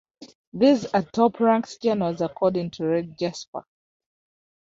These are top ranked journals according to Red Jasper.